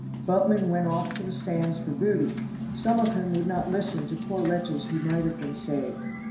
Boatmen went off to the sands for booty, some of whom would not listen to poor wretches who might have been saved.